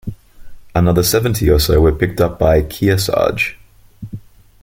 Another seventy or so were picked up by "Kearsarge".